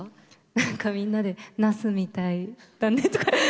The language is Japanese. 何かみんなでナスみたいだねとか。